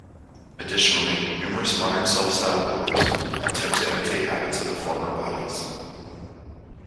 Additionally, numerous modern self-styled orders attempt to imitate habits of the former bodies.